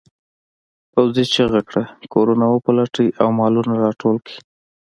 پوځي چیغه کړه کورونه وپلټئ او مالونه راټول کړئ.